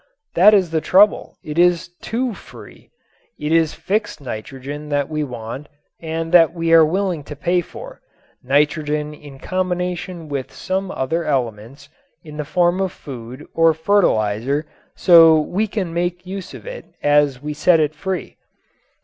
That is the trouble; it is too free. It is fixed nitrogen that we want and that we are willing to pay for; nitrogen in combination with some other elements in the form of food or fertilizer so we can make use of it as we set it free.